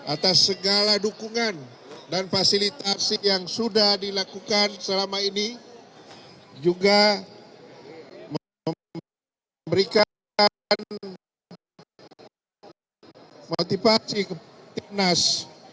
atas segala dukungan dan fasilitas yang sudah dilakukan selama ini juga memberikan motivasi ke timnas